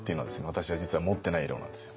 私は実は持ってない色なんですよ。